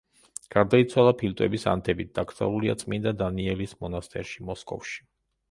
გარდაიცვალა ფილტვების ანთებით, დაკრძალულია წმინდა დანიელის მონასტერში, მოსკოვში.